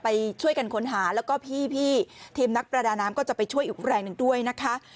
ไปช่วยกันค้นหาแล้วก็พี่ทีมนักประดาน้ำก็จะไปช่วยอีกแรงหนึ่งด้วยนะคะ